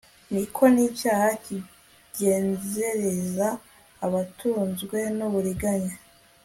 ni ko n'icyaha kigenzereza abatunzwe n'uburiganya